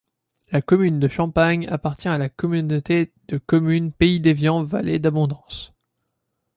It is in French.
La commune de Champanges appartient à la communauté de communes Pays d'Évian Vallée d'Abondance.